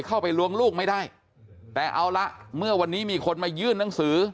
ล้วงลูกไม่ได้แต่เอาละเมื่อวันนี้มีคนมายื่นหนังสือ